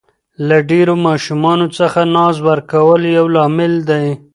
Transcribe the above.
له ډېرو ماشومانو څخه ناز ورکول یو لامل دی.